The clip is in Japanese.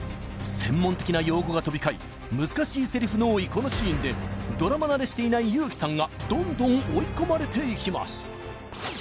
専門的な用語が飛び交い難しいセリフの多いこのシーンでドラマ慣れしていない有輝さんがどんどん追い込まれていきます